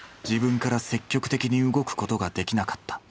自分から積極的に動くことができなかった。